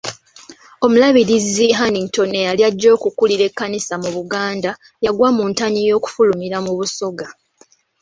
Omulabirizi Hannington eyali ajja okukulira Ekkanisa mu Buganda, yagwa ku ntanyi y'okufulumira mu Busoga.